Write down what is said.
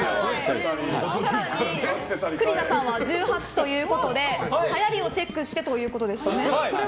栗田さんは１８ということではやりをチェックしてということでした。